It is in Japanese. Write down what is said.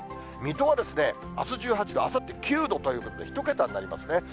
水戸はあす１８度、あさって９度ということで、１桁になりますね。